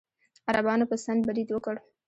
عربانو په سند برید وکړ.